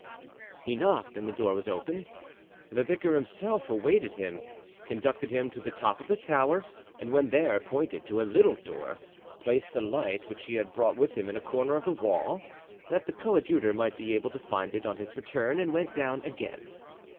He knocked and the door was opened. The vicar himself awaited him, conducted him to the top of the tower, and when there pointed to a little door, placed the light which he had brought with him in a corner of the wall, that the coadjutor might be able to find it on his return, and went down again.